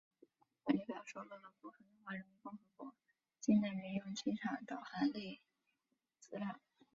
本列表收录了部分中华人民共和国境内民用机场导航台资料。